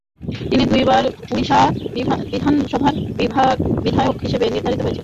তিনি দুইবার উড়িষ্যা বিধানসভার বিধায়ক হিসেবে নির্বাচিত হয়েছিলেন।